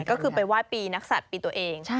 ก็คือไปว่ายปีนักสัตว์ปีตัวเอง